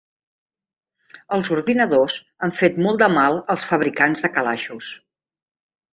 Els ordinadors han fet molt de mal als fabricants de calaixos.